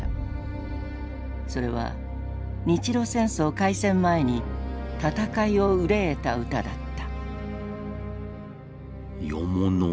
それは日露戦争開戦前に戦いを憂えた歌だった。